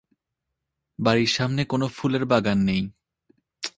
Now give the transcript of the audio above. বাড়ির সামনে কোনো ফুলের বাগান নেই।